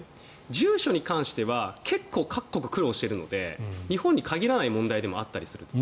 住所に関しては各国、結構苦労しているので日本に限らない問題でもあると。